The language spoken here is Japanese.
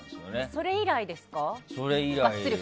それ以来ですよ。